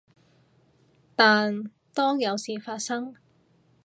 但當有事發生